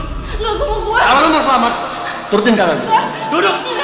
kalau lu mau selamat turutin ke arah gue